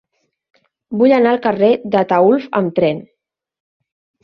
Vull anar al carrer d'Ataülf amb tren.